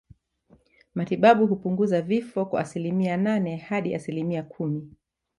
Matibabu hupunguza vifo kwa asilimia nane hadi asilimia kumi